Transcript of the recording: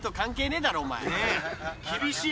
厳しい。